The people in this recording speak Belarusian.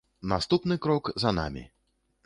Наступны крок за намі.